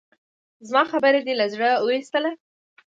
زما خبره دې له زړه اوېستله؟